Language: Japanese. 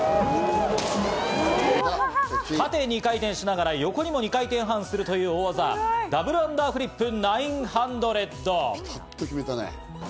縦に２回転しながら横にも２回転半するという大技、ダブルアンダーフリップ９００。